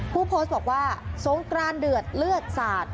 ผู้โพสต์บอกว่าสงกรานเดือดเลือดสาด